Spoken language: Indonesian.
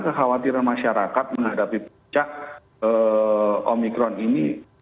kekhawatiran masyarakat menhadapi pecah omikron ini